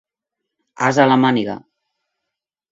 As a la màniga.